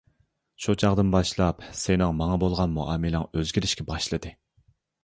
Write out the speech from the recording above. شۇ چاغدىن باشلاپ سېنىڭ ماڭا بولغان مۇئامىلەڭ ئۆزگىرىشكە باشلىدى.